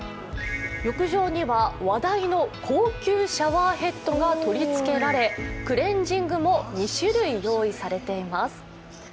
浴場には話題の高級シャワーヘッドが取りつけられクレンジングも２種類用意されています。